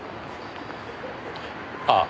ああ。